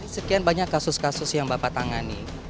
sekian banyak kasus kasus yang bapak tangani